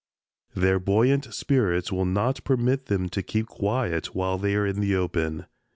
Their buoyant spirits will not permit them to keep quiet while they are in the open.